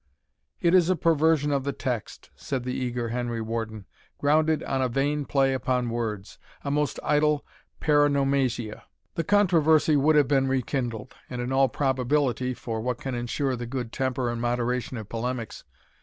"It is a perversion of the text," said the eager Henry Warden, "grounded on a vain play upon words a most idle paronomasia." The controversy would have been rekindled, and in all probability for what can insure the good temper and moderation of polemics?